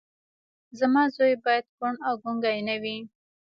زما زوی بايد کوڼ او ګونګی نه وي.